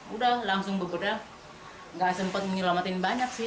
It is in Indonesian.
udah langsung berbeda gak sempat menyelamatin banyak sih